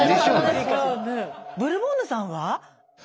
ブルボンヌさんは？